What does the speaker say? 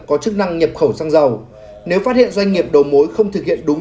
có chức năng nhập khẩu xăng dầu nếu phát hiện doanh nghiệp đầu mối không thực hiện đúng